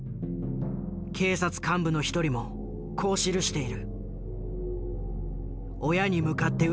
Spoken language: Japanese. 警察幹部の一人もこう記している。